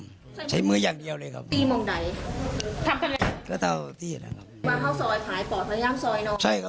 ผมก็ไม่ได้คิดว่าจะอยู่นะครับถ้าเจ้าหน้าที่ไม่ไปเอากันะครับ